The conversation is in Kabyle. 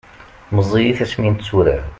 meẓẓiyit asmi netturar